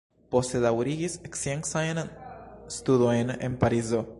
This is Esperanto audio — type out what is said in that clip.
Poste daŭrigis sciencajn studojn en Parizo.